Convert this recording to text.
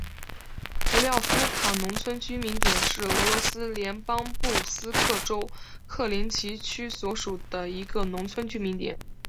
古廖夫卡农村居民点是俄罗斯联邦布良斯克州克林齐区所属的一个农村居民点。